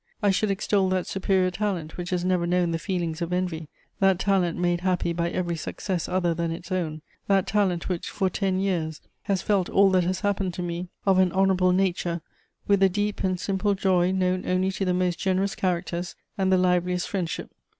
I should extol that superior talent which has never known the feelings of envy, that talent made happy by every success other than its own, that talent which, for ten years, has felt all that has happened to me of an honourable nature with the deep and simple joy known only to the most generous characters and the liveliest friendship.